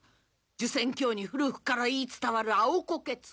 呪泉郷に古くから言い伝わる青こけ壺